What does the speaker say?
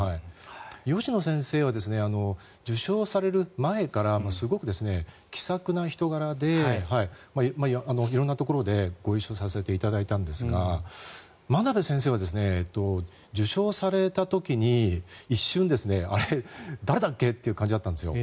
吉野先生は受賞される前からすごく気さくな人柄で色んなところでご一緒させていただいたんですが真鍋先生は受賞された時に一瞬、誰だっけという感じだったんですよ。